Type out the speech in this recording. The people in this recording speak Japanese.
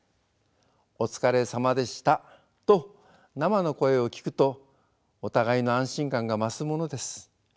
「お疲れさまでした」と生の声を聞くとお互いの安心感が増すものです。